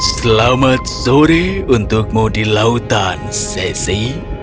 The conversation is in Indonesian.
selamat sore untukmu di lautan sesi